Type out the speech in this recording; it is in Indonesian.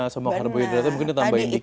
sama karbohidratnya mungkin ditambahin sedikit